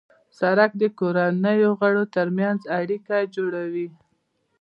سړک د کورنۍ غړو ترمنځ اړیکه جوړوي.